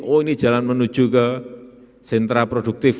oh ini jalan menuju ke sentra produktif